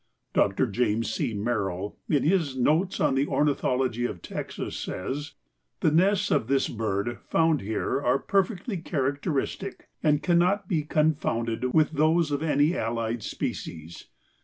Dr. James C. Merrill, in his Notes on the Ornithology of Texas, says, "The nests of this bird found here are perfectly characteristic, and cannot be confounded with those of any allied species.